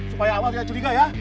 supaya awal tidak curiga ya